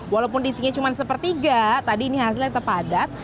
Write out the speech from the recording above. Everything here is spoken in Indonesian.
walaupun disinya cuma sepertiga tadi ini hasilnya terpadat